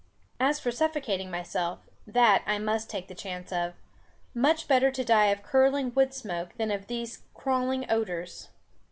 As for suffocating myself, that I must take the chance of. Much better to die of curling wood smoke than of these crawling odours.